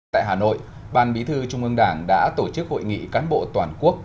tại hà nội ban bí thư trung ương đảng đã tổ chức hội nghị cán bộ toàn quốc